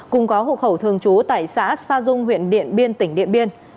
cùng có hộ khẩu thường trú tại xã sa dung huyện điện biên tỉnh điện biên